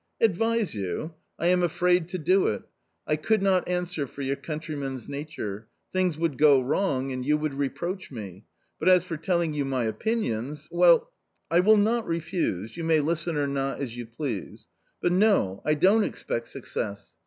" Advise you — I am afraid to do it. I could not answer for your countryman's nature ; things would go wrong, and you would reproach me ; but as for telling you my opinions — well — I will not refuse, you may listen or not as you please. But no ! I don't expect success.